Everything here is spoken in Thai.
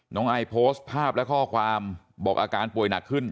ไอโพสต์ภาพและข้อความบอกอาการป่วยหนักขึ้น